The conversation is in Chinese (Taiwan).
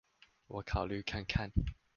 我考慮看看